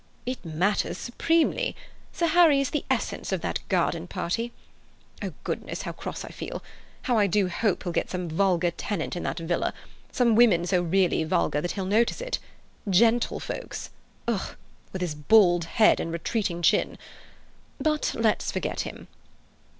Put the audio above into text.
"It matters supremely. Sir Harry is the essence of that garden party. Oh, goodness, how cross I feel! How I do hope he'll get some vulgar tenant in that villa—some woman so really vulgar that he'll notice it. Gentlefolks! Ugh! with his bald head and retreating chin! But let's forget him."